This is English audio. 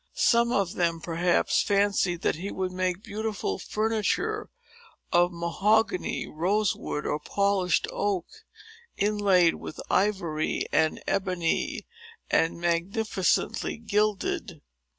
Some of them, perhaps, fancied that he would make beautiful furniture of mahogany, rose wood, or polished oak, inlaid with ivory and ebony, and magnificently gilded.